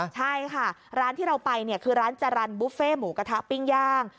ใช่ค่ะร้านที่เราไปเนี่ยคือร้านจรรย์บุฟเฟ่หมูกระทะปิ้งย่าง